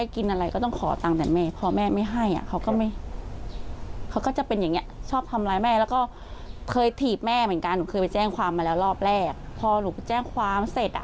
ก็ปล่อยออกมา